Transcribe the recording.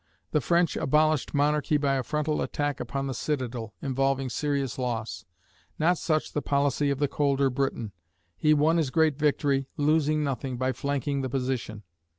The French abolished monarchy by a frontal attack upon the citadel, involving serious loss. Not such the policy of the colder Briton. He won his great victory, losing nothing, by flanking the position.